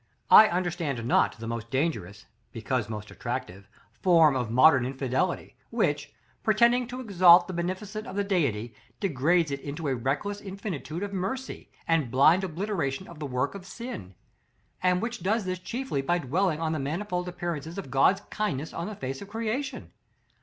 I understand not the most dangerous, because most attractive form of modern infidelity, which, pretending to exalt the beneficence of the Deity, degrades it into a reckless infinitude of mercy, and blind obliteration of the work of sin; and which does this chiefly by dwelling on the manifold appearances of God's kindness on the face of creation.